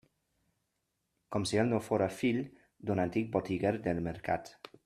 Com si ell no fóra fill d'un antic botiguer del Mercat!